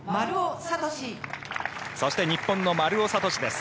そして、日本の丸尾知司です。